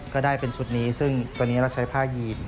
ก็ได้เป็นชุดนี้ซึ่งตอนนี้เราใช้ผ้ายีน